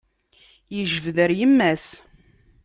Ijbed ar yemma-s.